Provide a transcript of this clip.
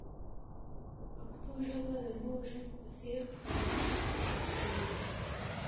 پښتو ژبه د نورو ژبو په څیر پرمختګ ته اړتیا لري.